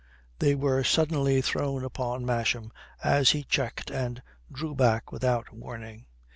They were suddenly thrown upon Masham as he checked and drew back without warning.